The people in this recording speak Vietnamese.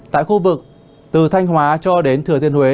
tại khu vực từ thanh hóa cho đến thừa thiên huế